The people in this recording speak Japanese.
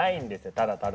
ただただ。